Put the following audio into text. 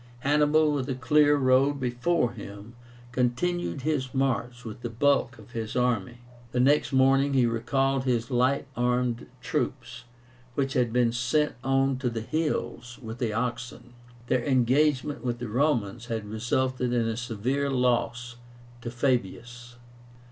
Hannibal, with a clear road before him, continued his march with the bulk of his army. The next morning he recalled his light armed troops, which had been sent on to the hills with the oxen. Their engagement with the Romans had resulted in a severe loss to Fabius.